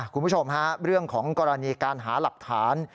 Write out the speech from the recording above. คุณผู้ชมฮะเรื่องของกรณีการหาหลักฐาน